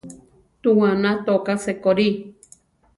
Tuána toká sekorí.